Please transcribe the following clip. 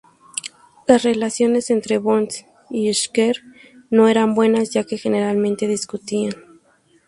Las relaciones entre Bonnet y Schenker no eran buenas ya que generalmente discutían.